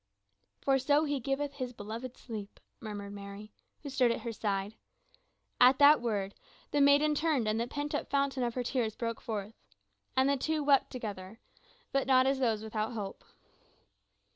"For so he giveth his beloved sleep," murmured Mary, who stood at her side. At that word the maiden turned and the pent up fountain of her tears broke forth. And the two wept together but not as those without hope.